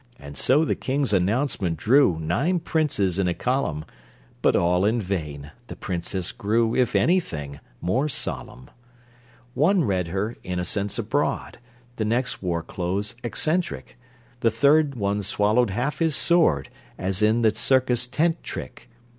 And so the King's announcement drew Nine princes in a column. But all in vain. The princess grew, If anything, more solemn. One read her "Innocents Abroad," The next wore clothes eccentric, The third one swallowed half his sword, As in the circus tent trick.